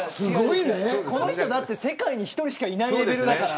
この人世界に１人しかいないレベルだから。